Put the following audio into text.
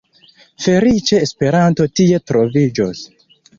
Feliĉe Esperanto tie troviĝos.